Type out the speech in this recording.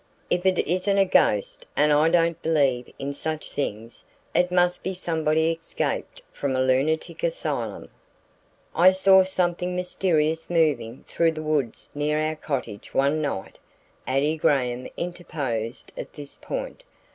"If it isn't a ghost and I don't believe in such things it must be somebody escaped from a lunatic asylum." "I saw something mysterious moving through the woods near our cottage one night," Addie Graham interposed at this point.